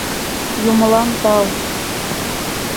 «Юмылан тау!